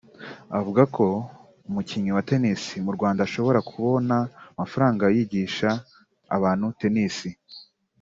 Avuga umukinnyi wa Tennis mu Rwanda ashobora kubona amafaranga yigisha abantu Tennis